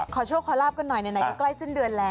ขอโชคขอลาบกันหน่อยไหนก็ใกล้สิ้นเดือนแล้ว